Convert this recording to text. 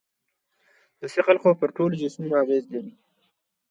د ثقل قوه پر ټولو جسمونو اغېز لري.